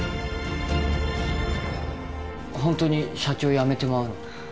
ホントに社長辞めてまうの？